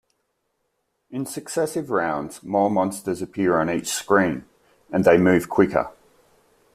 In successive rounds more monsters appear on each screen, and they move quicker.